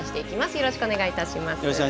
よろしくお願いします。